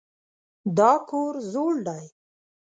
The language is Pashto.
دا کور زوړ دی.